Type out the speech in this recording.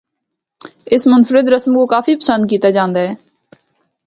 اس منفرد رسم کو کافی پسند کیتا جاندا اے۔